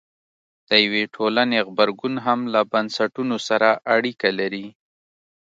د یوې ټولنې غبرګون هم له بنسټونو سره اړیکه لري.